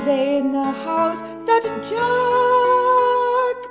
^| lay in the house that Jack built.